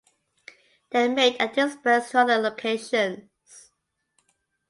They mate and disperse to other locations.